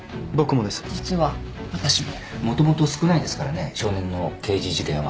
もともと少ないですからね少年の刑事事件は。